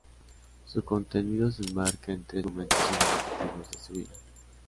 Su contenido se enmarca en tres momentos significativos de su vida.